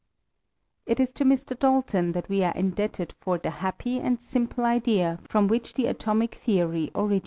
It is to Mr. Dalton that we are indebted for the happy and simple idea from which the atomic theory originated.